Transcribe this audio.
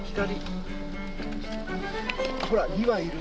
ほら２羽いる。